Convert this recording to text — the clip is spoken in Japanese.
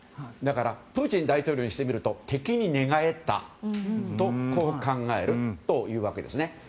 だからプーチン大統領にしてみると敵に寝返ったとこう考えるわけですね。